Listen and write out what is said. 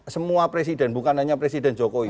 semua presiden bukan hanya presiden jokowi